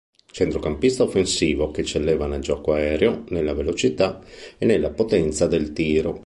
Centrocampista offensivo che eccelleva nel gioco aereo, nella velocità e nella potenza del tiro.